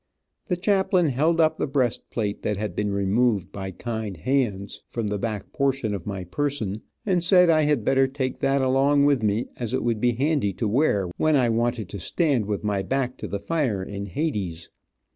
The chaplain held up the breast plate that had been removed by kind hands, from the back portion of my person, and said I had better take that along with me, as it would be handy to wear when I wanted to stand with my back to the fire in hades.